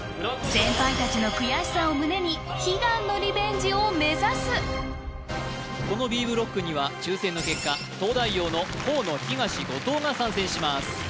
先輩たちの悔しさを胸にこのＢブロックには抽選の結果東大王の河野東後藤が参戦します